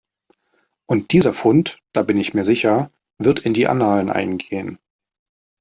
Und dieser Fund, da bin ich mir sicher, wird in die Annalen eingehen.